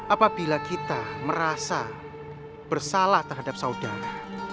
apabila kita merasa bersalah terhadap saudara